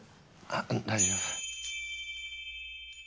あっうん大丈夫。